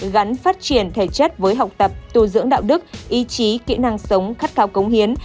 gắn phát triển thể chất với học tập tu dưỡng đạo đức ý chí kỹ năng sống khát khao cống hiến